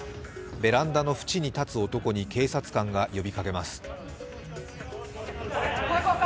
ベランダの縁に立つ男に警察官が呼びかけます。